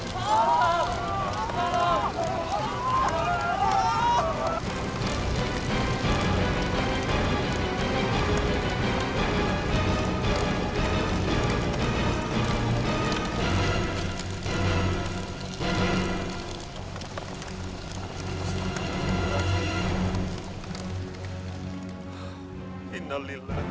assalamualaikum warahmatullahi wabarakatuh